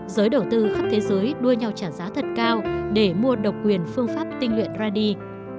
giới đầu tư khắp thế giới đua nhau trả giá thật cao để mua độc quyền phương pháp tinh luyện radi